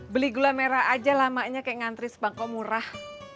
beli gula merah aja lah maknya kayak ngantri sebangkok murah